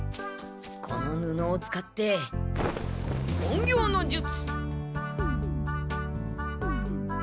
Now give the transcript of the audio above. この布を使って隠形の術！